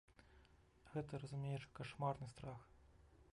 Гэта, разумееш, кашмарны страх.